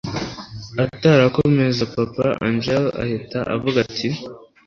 atarakomeza, papa angella ahita avuga ati